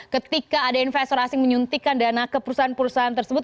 ketika ada investor asing menyuntikkan dana ke perusahaan perusahaan tersebut